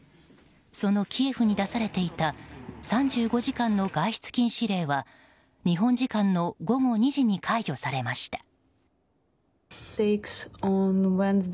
そのキエフに出されていた３５時間の外出禁止令は日本時間の午後２時に解除されました。